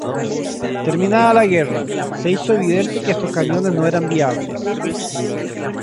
Terminada la guerra, se hizo evidente que estos cañones no eran viables.